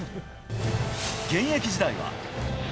現役時代は。